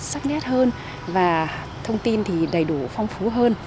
sắc nét hơn và thông tin thì đầy đủ phong phú hơn